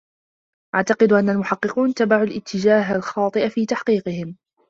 أعتقد أنّ المحقّقون اتّبعوا الاتّجاهى الخطأ في تحقيقهم.